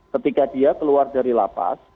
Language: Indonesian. ketika dia keluar dari lapas